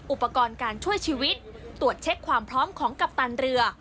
อุปกรณ์การช่วยชีวิตตรวจเช็คความพร้อมของกัปตันเรือ